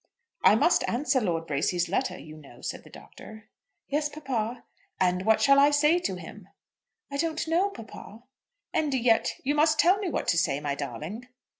"I must answer Lord Bracy's letter, you know," said the Doctor. "Yes, papa." "And what shall I say to him?" "I don't know, papa." "And yet you must tell me what to say, my darling."